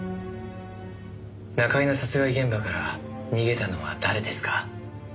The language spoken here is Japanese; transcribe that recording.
中居の殺害現場から逃げたのは誰ですか？